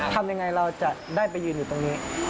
ทำยังไงเราจะได้ไปยืนอยู่ตรงนี้